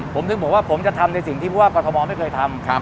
ผมถึงบอกว่าผมจะทำในสิ่งที่ผู้ว่ากรทมไม่เคยทำ